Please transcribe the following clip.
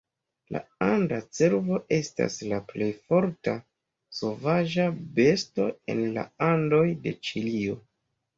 La anda cervo estas la plej forta sovaĝa besto en la Andoj de Ĉilio.